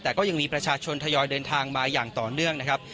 แต่ก็ยังมีประชาชนทยอยเดินทางมาอย่างต่อเนื่องนะครับ